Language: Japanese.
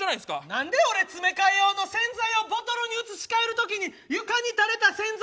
何で俺詰め替え用の洗剤をボトルに移し替える時に床に垂れた洗剤